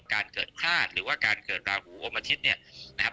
การเกิดพลาดหรือว่าการเกิดราหูอมอาทิตย์เนี่ยนะครับ